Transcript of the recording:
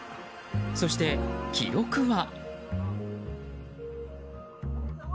そして、記録は。